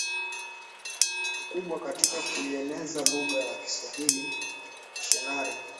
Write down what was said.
mkubwa katika kuieneza lugha ya Kiswahili Wamisionari